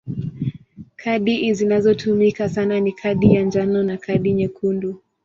Kadi zinazotumika sana ni kadi ya njano na kadi nyekundu.